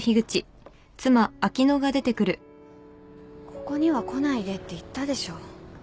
・ここには来ないでって言ったでしょ